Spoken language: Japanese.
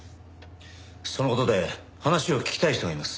その事で話を聞きたい人がいます。